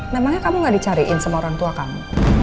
memangnya kamu gak dicariin sama orang tua kamu